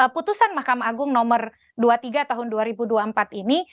putusan mahkamah agung nomor dua puluh tiga tahun dua ribu dua puluh empat ini